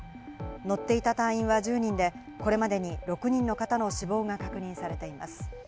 乗っていた隊員は１０人でこれまでに６人の方の死亡が確認されています。